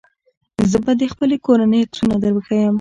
زه به د خپلې کورنۍ عکسونه دروښيم.